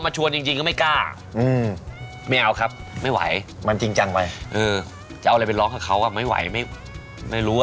จะเอาอะไรไปร้องกับเขาอะไม่ไหว